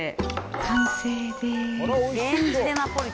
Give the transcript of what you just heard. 完成です。